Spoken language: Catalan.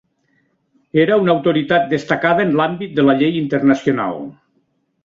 Era una autoritat destacada en l'àmbit de la llei internacional.